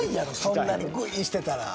そんなにグイッしてたら。